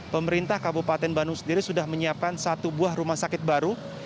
pemerintah kabupaten bandung sendiri sudah menyiapkan satu buah rumah sakit baru